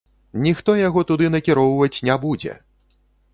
Ніхто яго туды накіроўваць не будзе!